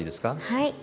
はい。